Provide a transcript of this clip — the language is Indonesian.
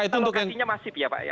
lokasinya masif ya pak ya